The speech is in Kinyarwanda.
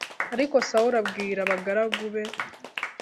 Ariko Sawuli abwira abagaragu be